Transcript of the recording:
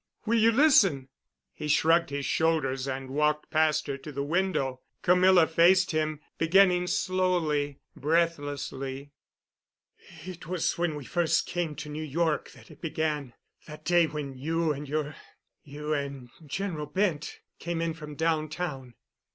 Will you listen?" He shrugged his shoulders and walked past her to the window. Camilla faced him, beginning slowly, breathlessly. "It was when we first came to New York that it began—that day when you and your—you and General Bent came in from downtown.